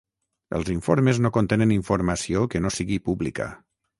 Els informes no contenen informació que no sigui pública.